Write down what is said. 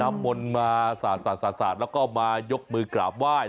มนต์มาสาดแล้วก็มายกมือกราบไหว้